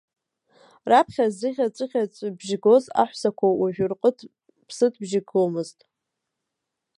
Раԥхьа зыӷьаҵәыӷьаҵәыбжь гоз аҳәсақәа уажә рҟыт-ԥсытбжьы гомызт.